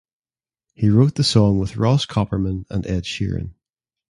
He wrote the song with Ross Copperman and Ed Sheeran.